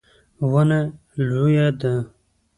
ونه لویه ده